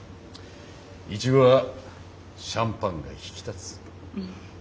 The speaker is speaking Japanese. イチゴはシャンパンが引き立つ。